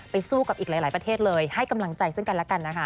สู้กับอีกหลายประเทศเลยให้กำลังใจซึ่งกันแล้วกันนะคะ